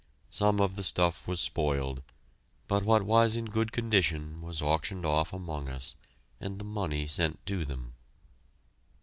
Some of the stuff was spoiled, but what was in good condition was auctioned off among us and the money sent to them.